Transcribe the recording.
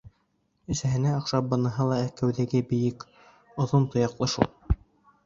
Әсәһенә оҡшап быныһы ла кәүҙәгә бейек, оҙон тояҡлы шул.